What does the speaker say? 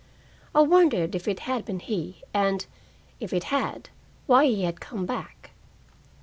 I wondered if it had been he, and, if it had, why he had come back.